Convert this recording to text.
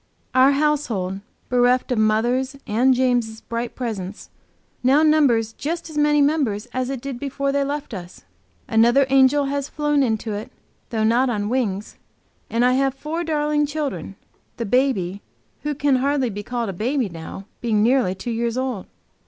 Our household, bereft of mother's and James' bright presence, now numbers just as many members as it did before they left us. Another angel has flown into it, though not on wings, and I have four darling children, the baby, who can hardly be called a baby now, being nearly two years old.